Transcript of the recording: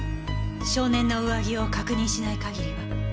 少年の上着を確認しない限りは。